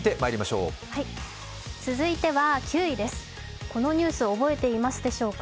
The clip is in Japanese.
続いては９位です、このニュースを覚えていますでしょうか。